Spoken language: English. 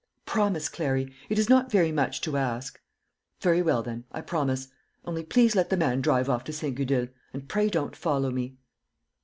"Promise, Clary; it is not very much to ask." "Very well, then, I promise. Only please let the man drive off to St. Gudule, and pray don't follow me."